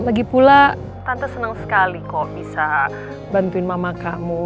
lagipula tante seneng sekali kok bisa bantuin mama kamu